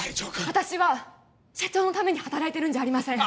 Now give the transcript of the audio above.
私は社長のために働いているんじゃありません